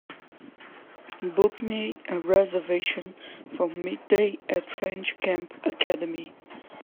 Book me a reservation for midday at French Camp Academy